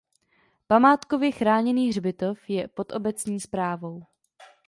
Památkově chráněný hřbitov je pod obecní správou.